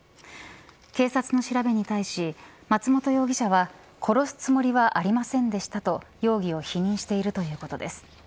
警察の調べに対し、松本容疑者は殺すつもりはありませんでしたと容疑を否認しているということです。